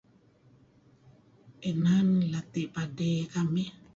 inan lati pade kamih